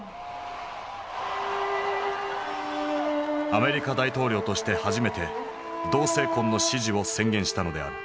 アメリカ大統領として初めて同性婚の支持を宣言したのである。